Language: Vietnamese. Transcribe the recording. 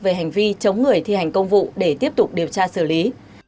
về hành vi chống người thi hành công vụ để tiếp tục điều tra xử lý